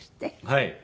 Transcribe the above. はい。